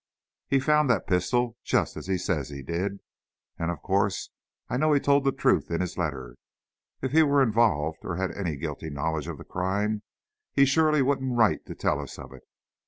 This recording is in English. He found that pistol, just as he says he did. And, of course, I knew he told the truth in his letter. If he were involved, or had any guilty knowledge of the crime, he surely wouldn't write to tell us of it!